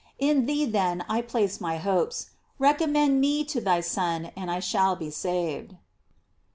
In thee then I place my hopes. Recommend me to thy Son, and I shall be saved.